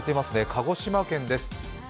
鹿児島県です。